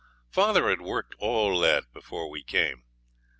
Father had worked all that before we came.